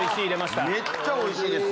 めっちゃおいしです。